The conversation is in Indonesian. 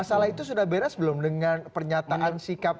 masalah itu sudah beres belum dengan pernyataan sikap